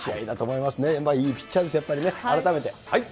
いいピッチャーですよ、やっぱりね、改めて。